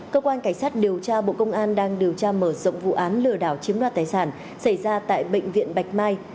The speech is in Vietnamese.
cơ quan cảnh sát điều tra bộ công an đang điều tra mở rộng vụ án lừa đảo chiếm đoạt tài sản xảy ra tại bệnh viện bạch mai